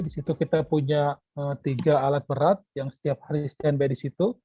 di situ kita punya tiga alat berat yang setiap hari standby di situ